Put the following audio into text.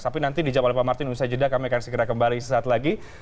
tapi nanti di jam delapan martini usai jeda kami akan segera kembali sesaat lagi